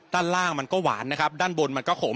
ด้านล่างมันก็หวานนะครับด้านบนมันก็ขม